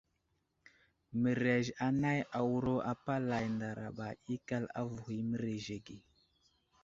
Mərez anay awuro apalay ndaraɓa ikal avohw i mərez age.